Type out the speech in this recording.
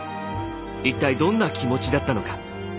一体どんな気持ちだったのか。